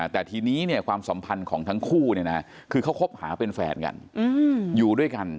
แต่ทีนี้ความสัมพันธ์ของทั้งคู่คือเขาคบหาเป็นแฟนกันอยู่ด้วยกัน